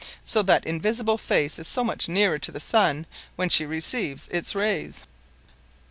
So that invisible face is so much nearer to the sun when she receives its rays."